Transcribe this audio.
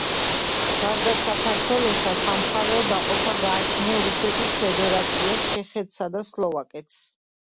გარდა საქართველოსა, სამხარეო დაყოფა გააჩნია რუსეთის ფედერაციას, ჩეხეთსა და სლოვაკეთს.